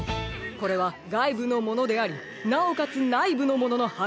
これはがいぶのものでありなおかつないぶのもののはん